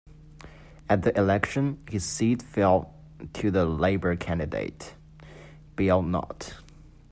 At the election, his seat fell to the Labor candidate, Bill Knott.